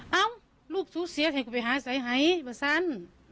เอ้าลูกสู้เสียให้กูไปหาใส่ไห่บะสัน